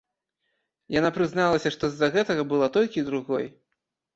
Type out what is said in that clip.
Яна прызналася, што з-за гэтага была толькі другой.